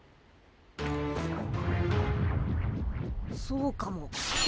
そうかも。